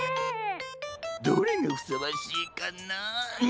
どれがふさわしいかなンヅフッ。